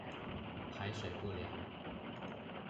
排水不良